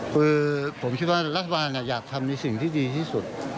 คือผมคิดว่ารัฐบาลอยากทำในสิ่งที่ดีที่สุด